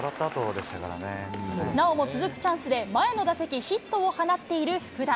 なおも続くチャンスで前の打席、ヒットを放っている福田。